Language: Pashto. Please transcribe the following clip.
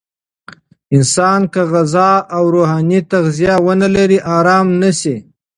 انسان که غذا او روحاني تغذیه ونلري، آرام نه شي.